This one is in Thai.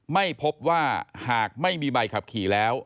ไม่พบว่าหากไม่มีใบขับขี่แล้ว